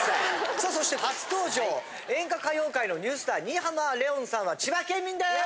さあそして初登場演歌歌謡界のニュースター新浜レオンさんは千葉県民です！